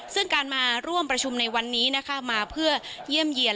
ซึ่งการมาร่วมประชุมในวันนี้นะคะมาเพื่อเยี่ยมเยี่ยน